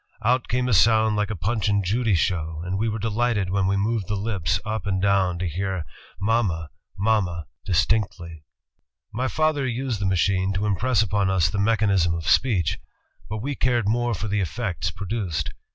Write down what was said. Out came a sound like a Punch and Judy show, and we were delighted when we moved the lips up and down to hear 'Ma ma! Ma ma! ' distinctly. ... ''My father used the machine to impress upon us the mechanism of speech, but we cared more for the effects produced.